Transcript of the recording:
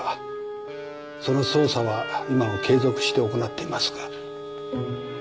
その捜査は今も継続して行っていますが。